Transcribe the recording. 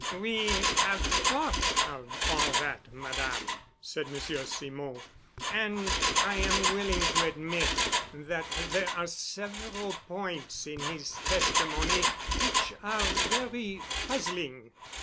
"We have thought of all that, Madame," said Monsieur Simon, "and I am willing to admit that there are several points in his testimony which are very puzzling.